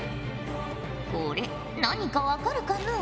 これ何か分かるかのう？